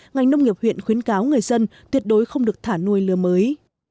ngành nông nghiệp huyện khuyến cáo người dân tuyệt đối không được thả nuôi lưa mới